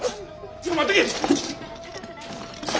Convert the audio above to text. ちょっと待っとけ！